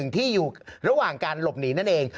ที่อยู่ระหว่างการหลบหนีนั่นเอง